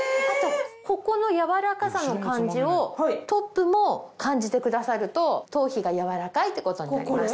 ここの柔らかさの感じをトップも感じてくださると頭皮が柔らかいってことになります。